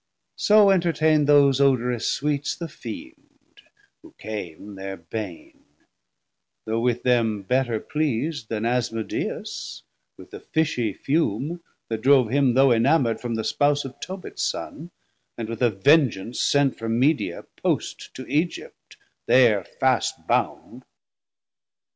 So entertaind those odorous sweets the Fiend Who came thir bane, though with them better pleas'd Then Asmodeus with the fishie fume, That drove him, though enamourd, from the Spouse Of Tobits Son, and with a vengeance sent 170 From Media post to Aegypt, there fast bound.